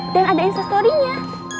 dan ada instastorynya